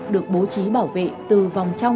được bố trí bảo vệ từ vòng trường